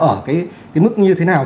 ở cái mức như thế nào